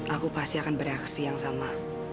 aku pasti akan bereaksi yang sama